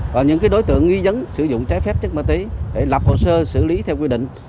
và những đối tượng nghi dấn sử dụng trái phép chất ma túy để lập hồ sơ xử lý theo quy định